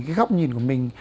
cái góc nhìn của mình